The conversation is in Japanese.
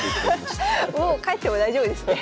もう帰っても大丈夫ですね。